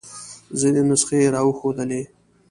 ځینې نسخې یې را وښودلې.